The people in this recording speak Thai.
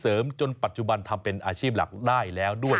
จนปัจจุบันทำเป็นอาชีพหลักได้แล้วด้วย